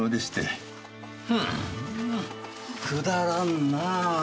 ふーんくだらんなあ。